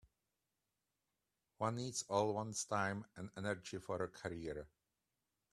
One needs all one's time and energy for a career.